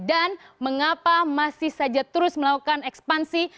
dan mengapa masih saja terus melakukan ekspansi